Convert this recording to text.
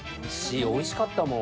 おいしかった。